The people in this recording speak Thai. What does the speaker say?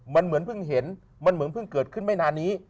มันเหมือนเพิ่งเห็นมันเหมือนเพิ่งเกิดขึ้นไม่นานนี้